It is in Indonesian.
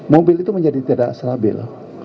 mobil itu menjadi tidak stabil